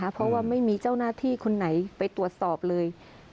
เพราะว่าไม่มีเจ้าหน้าที่คนไหนไปตรวจสอบเลย